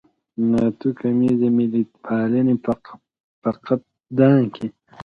ناتوکمیزې ملتپالنې په فقدان کې.